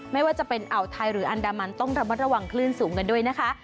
ไม่ว่าจะเป็นอ่าวไทยหรืออันดามันต้องระมัดระวังคลื่นสูงกันด้วยนะคะ